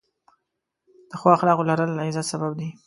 د ښو اخلاقو لرل، د عزت سبب دی.